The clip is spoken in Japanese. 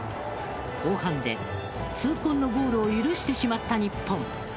後半で痛恨のゴールを許してしまった日本。